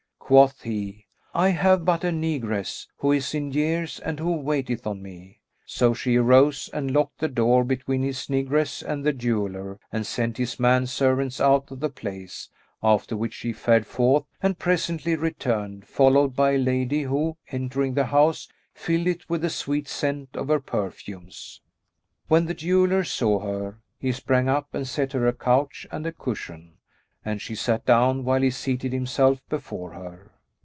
Quoth he, "I have but a negress, who is in years and who waiteth on me."[FN#208] So she arose and locked the door between his negress and the jeweller and sent his man servants out of the place; after which she fared forth and presently returned, followed by a lady who, entering the house, filled it with the sweet scent of her perfumes. When the jeweller saw her, he sprang up and set her a couch and a cushion; and she sat down while he seated himself before her.